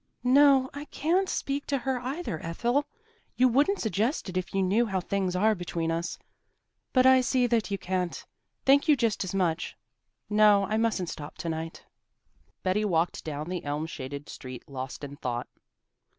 "No, I can't speak to her either, Ethel. You wouldn't suggest it if you knew how things are between us. But I see that you can't. Thank you just as much. No, I mustn't stop to night." Betty walked down the elm shaded street lost in thought.